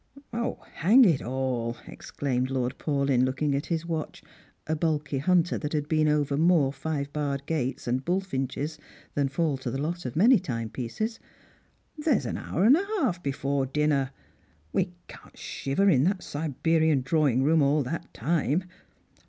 " 0, hang it all," exclaimed Lord Paulyn, looking at his watch, a bulky hunter that had been over more five barred gates and buUtiuohes than fall to the lot of many timepieces, " there's an hour and a half before dinner ; we can't shiver in that Siberian drawing room all that time.